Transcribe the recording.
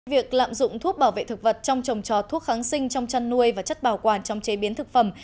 việc lạm dụng thuốc bảo vệ thực vật trong trồng trò thuốc kháng sinh trong chăn nuôi và chất bảo quản trong chế biến thực phẩm